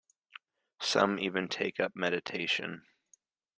Some even take up meditation.